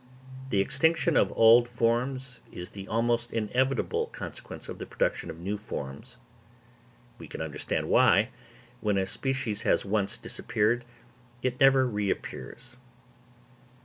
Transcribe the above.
The extinction of old forms is the almost inevitable consequence of the production of new forms. We can understand why, when a species has once disappeared, it never reappears.